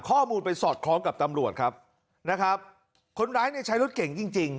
ข้อมูลไปสอดคล้องกับตำรวจครับนะครับคนร้ายเนี่ยใช้รถเก่งจริงจริง